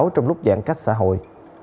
trong lúc giãn cách xã hội